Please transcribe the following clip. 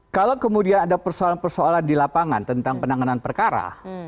kalau kemudian ada persoalan persoalan di lapangan tentang penanganan perkara